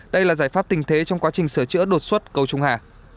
đây là giải pháp tình thế trong quá trình sửa chữa đột xuất cầu trung hà